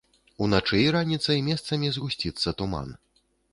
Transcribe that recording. Уначы і раніцай месцамі згусціцца туман.